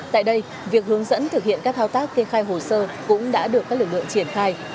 tại đây việc hướng dẫn thực hiện các thao tác kê khai hồ sơ cũng đã được các lực lượng triển khai